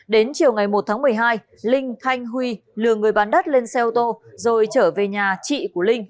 đến chiều ngày một tháng một mươi hai linh khanh huy lừa người bán đất lên xe ô tô rồi trở về nhà chị của linh